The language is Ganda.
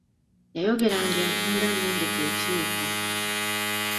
Yayogeranga enfunda nnyingi ku Lukiiko.